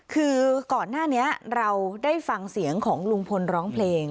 คือก่อนหน้านี้เราได้ฟังเสียงของลุงพลร้องเพลง